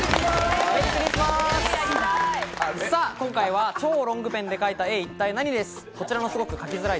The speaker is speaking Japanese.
今回は「超ロングペンで描いた絵一体ナニ！？」